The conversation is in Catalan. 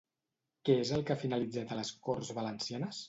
Què és el que ha finalitzat a les Corts Valencianes?